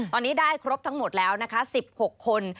ตอนนี้ได้ครบทั้งหมดแล้วนะคะ๑๖คน